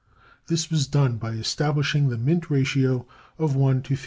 This was done by establishing the mint ratio of 1 to 15.